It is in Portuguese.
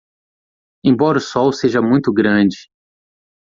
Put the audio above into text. Embora o sol seja muito grande